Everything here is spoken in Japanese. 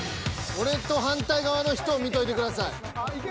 ［俺と反対側の人を見といてください］